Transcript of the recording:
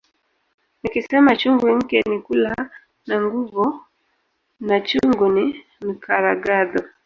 Nikisema chungu nke ni kula na nguvo na chungu ni nkaragadho.